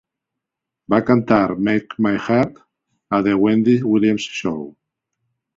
Va cantar "Make My Heart" a "The Wendy Williams Show".